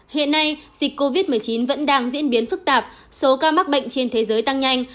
hiện nay dịch covid một mươi chín vẫn đang diễn biến phức tạp số ca mắc bệnh trên thế giới tăng nhanh